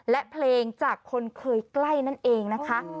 และเพลงจากคนเคยใกล้นั่นเองนะคะ